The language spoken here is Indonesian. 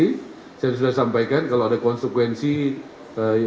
biaya yang sedang ditampilkan oleh abang dan vainalandia disitu